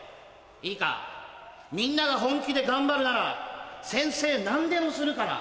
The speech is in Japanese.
いいかみんなが本気で頑張るなら先生何でもするから。